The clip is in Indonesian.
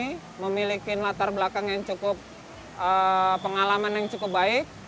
ini memiliki latar belakang yang cukup pengalaman yang cukup baik